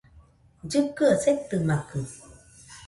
Llɨkɨaɨ setɨmakɨ